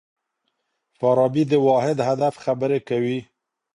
فارابي د واحد هدف خبري کوي.